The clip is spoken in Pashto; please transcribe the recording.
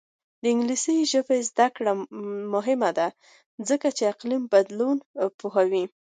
د انګلیسي ژبې زده کړه مهمه ده ځکه چې اقلیم بدلون پوهوي.